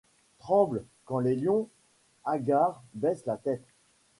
Tremblent ; quand les lions, hagards, baissent la tête